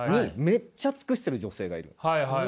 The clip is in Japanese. めっちゃ尽くしてる女性がいる。